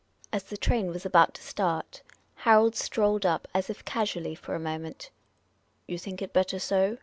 As the train was about to start, Harold strolled up as if casually for a moment. "You think it better so?"